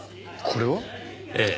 これは？ええ。